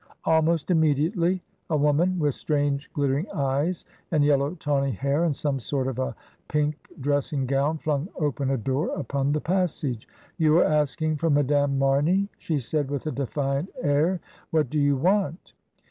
Almost immediately a woman, with strange glit tering eyes and yellow tawny hair, and some sort of a pink dressing gown, flung open a door upon the passage. "You are asking for Madame Mamey?" she said with a defiant air. "What do you want?"